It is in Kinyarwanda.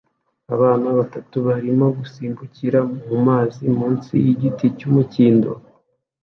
Abana batatu barimo gusimbukira mu mazi munsi yigiti cy'umukindo